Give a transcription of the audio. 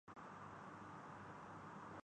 ادھر ایک حرف کہ کشتنی یہاں لاکھ عذر تھا گفتنی